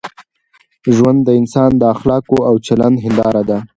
ژوند د انسان د اخلاقو او چلند هنداره ده.